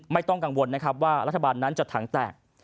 ไม่ต้องกังวลนะครับว่ารัฐบาลนั้นจะถังแตก